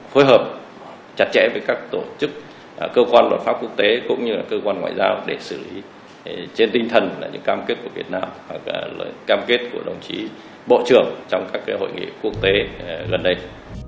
phối hợp chặt chẽ với các tổ chức cơ quan luật pháp quốc tế cũng như là cơ quan ngoại giao để xử lý trên tinh thần là những cam kết của việt nam hoặc lời cam kết của đồng chí bộ trưởng trong các hội nghị quốc tế gần đây